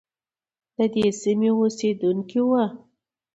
ددې سیمې اوسیدونکی وو.